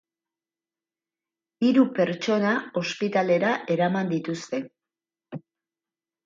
Hiru pertsona ospitalera eraman dituzte.